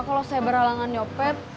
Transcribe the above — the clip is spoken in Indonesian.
kalau saya beralangan nyopet